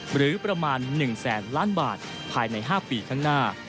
หรือประมาณ๑แสนล้านบาทภายใน๕ปีข้างหน้า